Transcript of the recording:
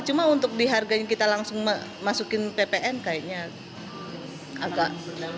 cuma untuk dihargai kita langsung masukin ppn kayaknya agak